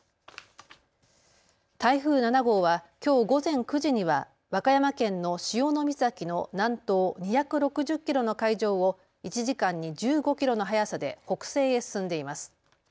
台風７号はきょう午前９時には和歌山県の潮岬の南東２６０キロの海上を１時間に１５キロの速さで北西へ進んでいます。